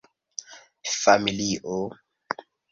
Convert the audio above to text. familio